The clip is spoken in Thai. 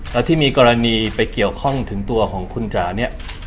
แล้วที่มีกรณีไปเกี่ยวข้องถึงตัวของคุณจ๋าเนี่ย